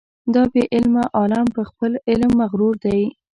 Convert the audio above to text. دا بې علمه عالم په خپل علم مغرور دی.